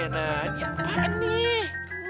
nah nyamparan nih